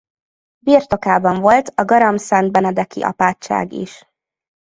Birtokában volt a garamszentbenedeki apátság is.